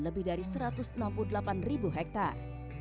lebih dari satu ratus enam puluh delapan ribu hektare